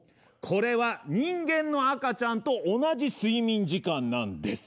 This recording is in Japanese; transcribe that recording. これは人間の赤ちゃんと同じ睡眠時間なんです。